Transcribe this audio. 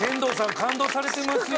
感動されてますよ。